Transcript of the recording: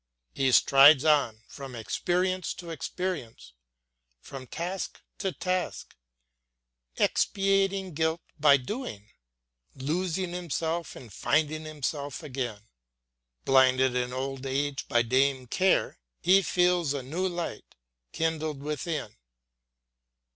He strides on from experience to experience, from task to task, expiating guilt by doing, losing himself and finding himself again. Blinded in old age by Dame Care, he feels a new light kindled within.